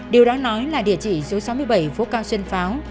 điều đó nói là địa chỉ số sáu mươi bảy phố cao xuân pháo